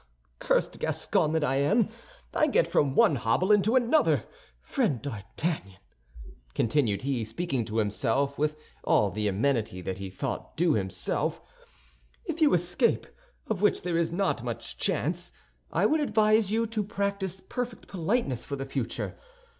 Ah, cursed Gascon that I am, I get from one hobble into another. Friend D'Artagnan," continued he, speaking to himself with all the amenity that he thought due himself, "if you escape, of which there is not much chance, I would advise you to practice perfect politeness for the future.